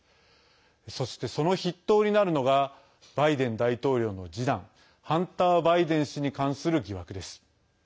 そして、その筆頭になるのがバイデン大統領の次男ハンター・バイデン氏に関する疑惑です。